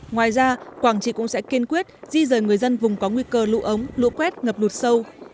ngoài ra quảng trị cũng sẽ kiên quyết di rời người dân vùng có nguy cơ lũ ống lũ quét ngập lụt sâu